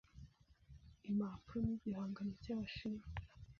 Impapuro ni igihangano cyabashinwa.